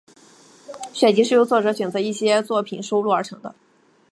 选集是由作者选择自己的一些作品收录而成的。